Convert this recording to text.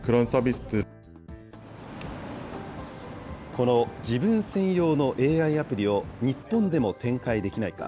この自分専用のＡＩアプリを日本でも展開できないか。